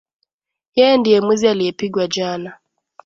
Yeye ndiye mwizi aliyepigwa jana.